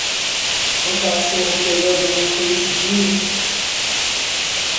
Um cachorro pegando um frisbee.